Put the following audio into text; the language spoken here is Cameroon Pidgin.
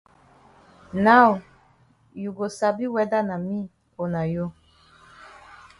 Now you go sabi whether na me o na you.